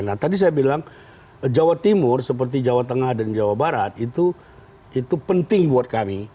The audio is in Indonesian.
nah tadi saya bilang jawa timur seperti jawa tengah dan jawa barat itu penting buat kami